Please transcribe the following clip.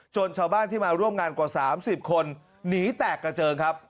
ชาวบ้านที่มาร่วมงานกว่า๓๐คนหนีแตกกระเจิงครับ